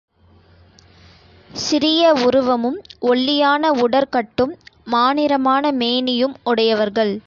சிறிய உருவமும், ஒல்லியான உடற்கட்டும், மா நிறமான மேனியும் உடையவர்கள்.